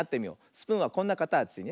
スプーンはこんなかたちね。